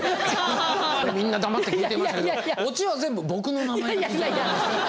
みんな黙って聞いてましたけどオチは全部僕の名前が刻んでありますって。